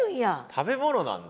食べ物なんだ。